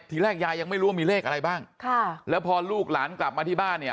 ทีแรกยายยังไม่รู้ว่ามีเลขอะไรบ้างค่ะแล้วพอลูกหลานกลับมาที่บ้านเนี่ย